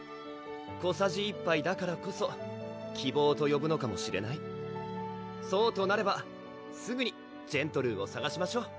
小さじ一杯だからこそ希望とよぶのかもしれないそうとなればすぐにジェントルーをさがしましょう！